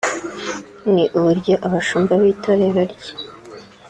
ni uburyo abashumba b’itorero rye